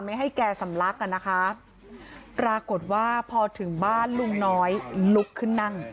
ให้แกสำลักอ่ะนะคะปรากฏว่าพอถึงบ้านลุงน้อยลุกขึ้นนั่ง